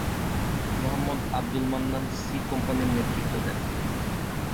Mohammad Abdul Mannan ‘C’ কোম্পানির নেতৃত্ব দেন।